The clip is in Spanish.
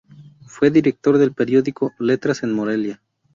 Fue director del periódico "Letras en Morelia".